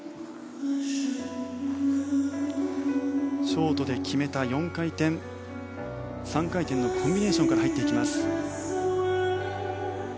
ショートで決めた４回転、３回転のコンビネーションから入る。